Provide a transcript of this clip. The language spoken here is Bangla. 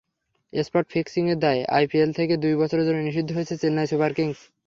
স্পট ফিক্সিংয়ের দায়ে আইপিএল থেকে দুই বছরের জন্য নিষিদ্ধ হয়েছে চেন্নাই সুপার কিংস।